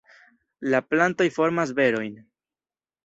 La plantoj formas berojn.